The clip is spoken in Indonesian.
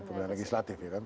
pemilihan legislatif ya kan